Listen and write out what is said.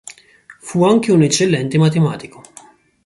Fu anche un eccellente matematico.